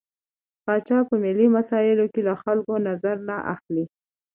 پاچا په ملي مسايلو کې له خلکو نظر نه اخلي.